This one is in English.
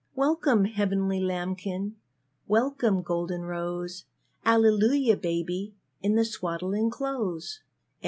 Welcome, heavenly lambkin; Welcome, golden rose; Alleluia, Baby, In the swaddling clothes!